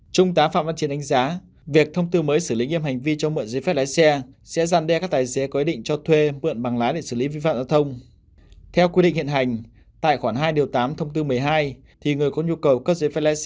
trung tá phạm văn chiến đánh giá việc thông tư mới xử lý nghiêm hành vi cho mượn giấy phép lái xe sẽ gian đe các tài xế có ý định cho thuê mượn bằng lái để xử lý vi phạm giao thông